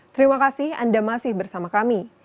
terima kasih anda masih bersama kami